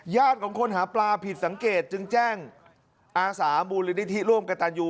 ญาติของค้นหาปลาผิดสังเกตจึงแจ้งอาสาบุรินิธิร่วมกระตานยู